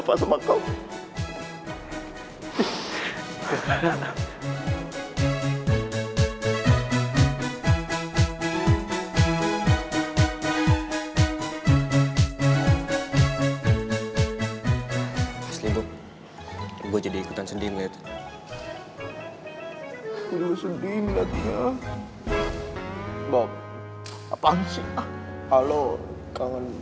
terima kasih pak